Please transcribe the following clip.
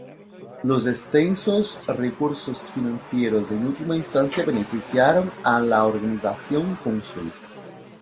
Los extensos recursos financieros en última instancia beneficiaron a la "Organización Cónsul".